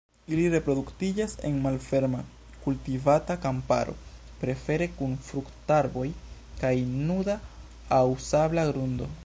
Ili reproduktiĝas en malferma kultivata kamparo, prefere kun fruktarboj kaj nuda aŭ sabla grundo.